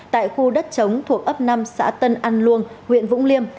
tại khu đất chống thuộc ấp năm xã tân an luông huyện vũng liêm